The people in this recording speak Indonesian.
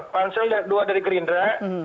pansel dua dari gerindra